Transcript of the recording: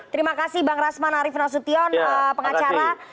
terima kasih bang rasman arief nasution pengacara